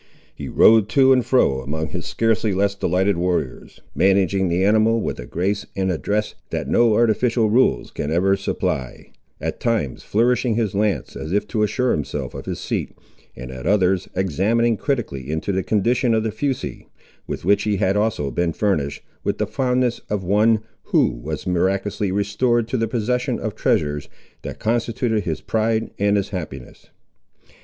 He rode to and fro among his scarcely less delighted warriors, managing the animal with a grace and address that no artificial rules can ever supply; at times flourishing his lance, as if to assure himself of his seat, and at others examining critically into the condition of the fusee, with which he had also been furnished, with the fondness of one, who was miraculously restored to the possession of treasures, that constituted his pride and his happiness.